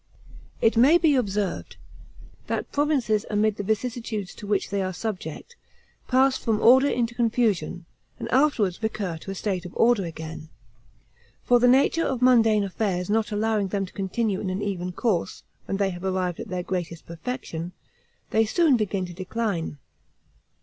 It may be observed, that provinces amid the vicissitudes to which they are subject, pass from order into confusion, and afterward recur to a state of order again; for the nature of mundane affairs not allowing them to continue in an even course, when they have arrived at their greatest perfection, they soon begin to decline.